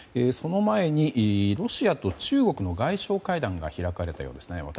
その前に、ロシアと中国の外相会談が開かれたようですね。